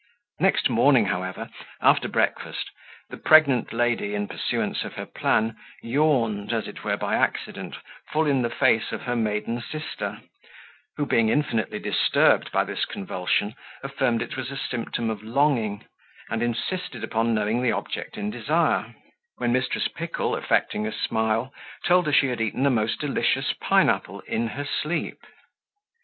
Next morning, however, after breakfast, the pregnant lady, in pursuance of her plan, yawned, as it were by accident, full in the face of her maiden sister, who being infinitely disturbed by this convulsion, affirmed it was a symptom of longing, and insisted upon knowing the object in desire; when Mrs. Pickle affecting a smile told her she had eaten a most delicious pine apple in her sleep.